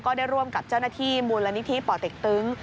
ได้ร่วมกับเจ้าหน้าที่มูลนิธิป่อเต็กตึง